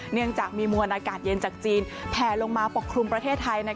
เนื่องจากมีมวลอากาศเย็นจากจีนแผลลงมาปกครุมประเทศไทย